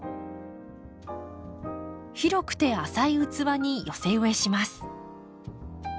広くて浅い器に寄せ植えします。